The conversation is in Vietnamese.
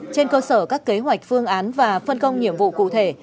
trên cơ sở các kế hoạch phương án và phân công nhiệm vụ cụ thể